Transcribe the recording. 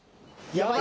やばい。